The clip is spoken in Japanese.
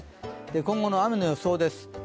今後の雨の予想です。